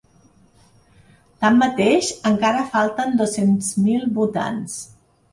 Tanmateix, encara falten dos-cents mil votants.